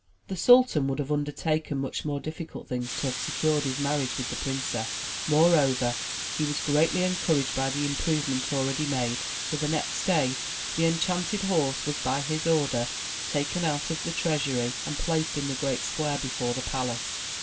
'' The sultan would have undertaken much more difficult things to have secured his marriage with the princess, moreover he was greatly encouraged by the improvement already made, so, the next day, the enchanted horse was by his order taken out of the treasury, and placed in the great square before the palace.